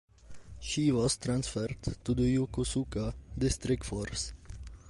She was transferred to the Yokosuka District Force.